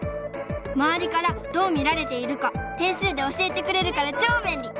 まわりからどう見られているか点数で教えてくれるからチョーべんり！